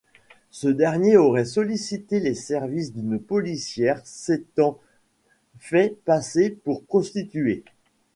Ce dernier aurait sollicité les services d'une policière s'étant fait passer pour prostituée.